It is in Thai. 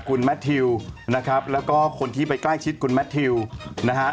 คุณแมททิวนะครับแล้วก็คนที่ไปใกล้ชิดคุณแมททิวนะฮะ